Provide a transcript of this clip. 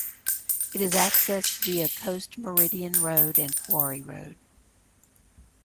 It is accessed via Coast Meridian Road and Quarry Road.